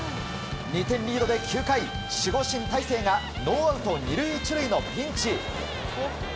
２点リードで９回守護神・大勢がノーアウト２塁１塁のピンチ。